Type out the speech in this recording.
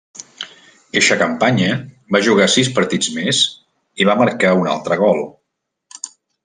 Eixa campanya va jugar sis partits més i va marcar un altre gol.